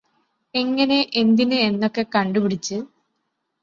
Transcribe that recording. എങ്ങനെ എന്തിന് എന്നൊക്കെ കണ്ടുപിടിച്ച്